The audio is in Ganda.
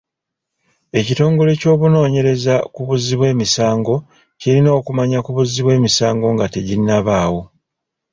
Ekitongole ky'obunoonyereza ku buzzi bw'emisango kirina okumanya ku buzzi bw'emisango nga tebunnabaawo.